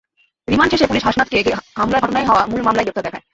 Remand শেষে police হাসনাতকে হামলার ঘটনায় হওয়া মূল মামলায় গ্রেপ্তার দেখায়।